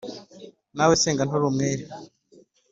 nawe usenga nturi umwere